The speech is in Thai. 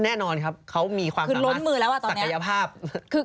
แน่นอนครับเขามีความสามารถ